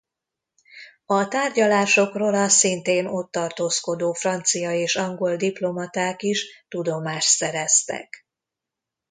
A tárgyalásokról a szintén ott tartózkodó francia és angol diplomaták is tudomást szereztek.